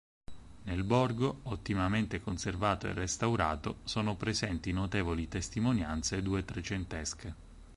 Nel borgo, ottimamente conservato e restaurato, sono presenti notevoli testimonianze due-trecentesche.